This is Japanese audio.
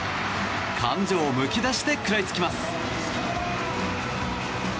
感情むき出しで食らいつきます。